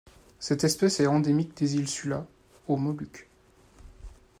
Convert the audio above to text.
Cette espèce est endémique des îles Sula, aux Moluques.